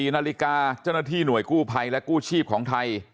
๔นาฬิกาเจ้าหน้าที่หน่วยกู้ภัยและกู้ชีพของไทย